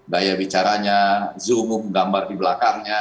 bebacaranya zoom up gambar di belakangnya